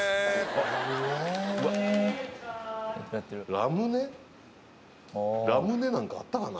ラムネなんかあったかな？